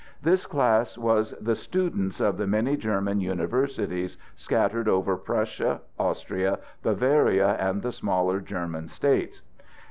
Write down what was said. This class was the students of the many German universities, scattered over Prussia, Austria, Bavaria, and the smaller German states.